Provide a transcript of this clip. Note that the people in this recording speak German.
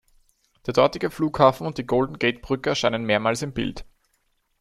Der dortige Flughafen und die Golden-Gate-Brücke erscheinen mehrmals im Bild.